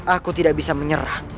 aku tidak bisa menyerah